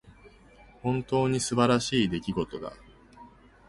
本当に素晴らしい出来事だ。